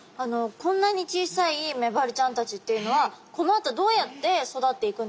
こんなに小さいメバルちゃんたちっていうのはこのあとどうやって育っていくんですか？